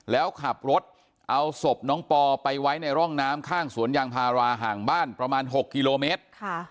แล้วขับรถเอาศพน้องปอไปไว้ในร่องน้ำข้างสวนยางพาราห่างบ้านประมาณ๖กิโลเมตร